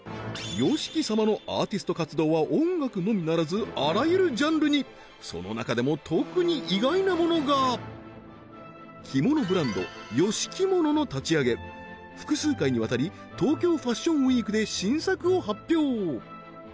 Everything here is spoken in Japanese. ＹＯＳＨＩＫＩ様のアーティスト活動は音楽のみならずあらゆるジャンルにその中でも特に意外なものが着物ブランドＹＯＳＨＩＫＩＭＯＮＯの立ち上げ複数回にわたりＴＯＫＹＯＦａｓｈｉｏｎＷｅｅｋで新作を発表